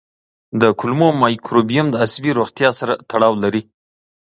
د کولمو مایکروبیوم د عصبي روغتیا سره تړاو لري.